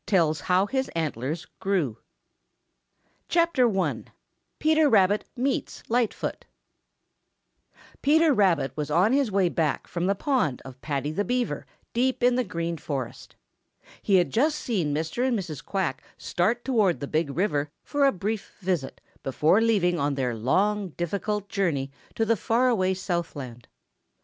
143 LIGHTFOOT THE DEER CHAPTER I PETER RABBIT MEETS LIGHTFOOT Peter Rabbit was on his way back from the pond of Paddy the Beaver deep in the Green Forest. He had just seen Mr. and Mrs. Quack start toward the Big River for a brief visit before leaving on their long, difficult journey to the far away Southland.